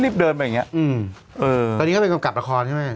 เดินไปอย่างเงี้อืมเออตอนนี้เขาเป็นกำกับละครใช่ไหม